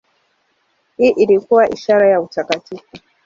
Hii ilikuwa ishara ya utakatifu.